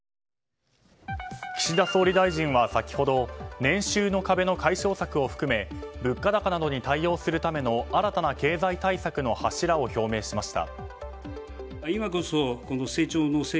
岸田総理大臣は先ほど年収の壁の解消策を含め物価高などに対応するための新たな経済政策の柱を表明しました。